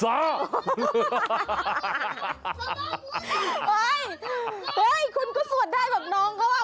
เฮ้ยคนเขาสวดได้กับน้องก็ว่า